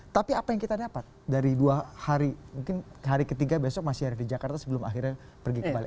tapi apa yang kita dapat dari dua hari mungkin hari ketiga besok masih ada di jakarta sebelum akhirnya pergi kembali